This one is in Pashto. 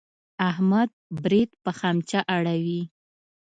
احمد برېت په خمچه اړوي.